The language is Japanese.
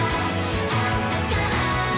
「あったから」